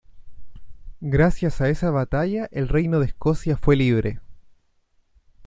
Gracias a esa batalla el Reino de Escocia fue libre.